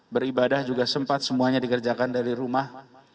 beribadah juga sempat semuanya dikerjakan dari rumah